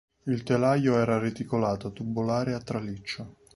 Il telaio era reticolato tubolare a traliccio.